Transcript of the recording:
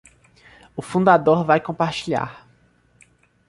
O fundador vai compartilhar